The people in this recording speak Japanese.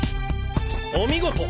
お見事！